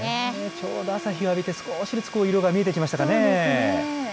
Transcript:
ちょうど朝日を浴びて少しずつ色が見えてきましたかね。